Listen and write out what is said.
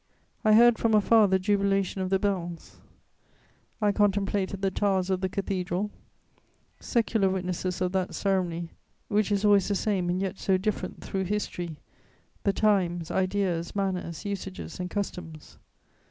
I heard from afar the jubilation of the bells, I contemplated the towers of the Cathedral, secular witnesses of that ceremony which is always the same and yet so different through history, the times, ideas, manners, usages and customs.